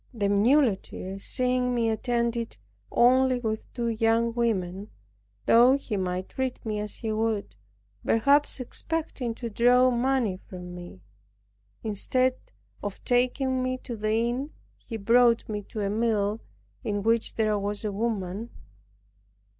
The muleteer, seeing me attended only with two young women, thought he might treat me as he would, perhaps expecting to draw money from me. Instead of taking me to the inn, he brought me to a mill, in which there was a woman.